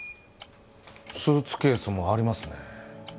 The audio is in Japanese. スーツケースもありますね。